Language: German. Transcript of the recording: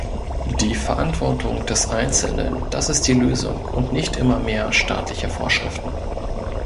Die Verantwortung des Einzelnen, das ist die Lösung, und nicht immer mehr staatliche Vorschriften.